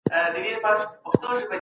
د نومونو زده کول د ژبې بنسټ دی.